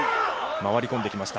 回り込んできました。